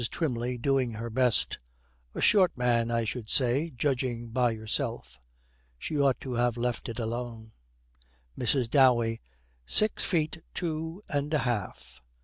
TWYMLEY, doing her best, 'A short man, I should say, judging by yourself.' She ought to have left it alone. MRS. DOWEY. 'Six feet two and a half.'